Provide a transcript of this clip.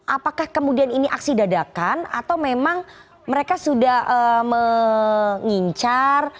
apakah kemudian ini aksi dadakan atau memang mereka sudah mengincar